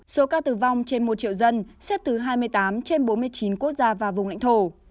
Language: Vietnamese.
so với thế giới tổng số ca tử vong trên một triệu dân xếp thứ hai mươi tám trên bốn mươi tám quốc gia và vùng lãnh thổ